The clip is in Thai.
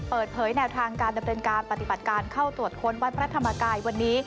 เปิดเผยแนวทางการดำเนินการปฏิบัติการเข้าตรวจค้นวัดพระธรรมกายวันนี้